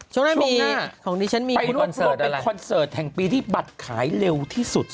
ช่วงหน้าของดิฉันมีคุณกลัวเป็นขอนเซิร์ตแห่งปีที่บัตรขายเร็วที่สุดไม่อยากดูหน่อยไหม